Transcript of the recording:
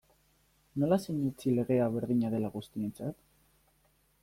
Nola sinetsi legea berdina dela guztientzat?